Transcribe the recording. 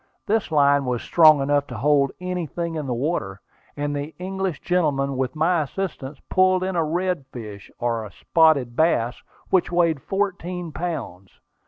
This line was strong enough to hold anything in the water, and the English gentleman, with my assistance, pulled in a redfish, or spotted bass, which weighed fourteen pounds.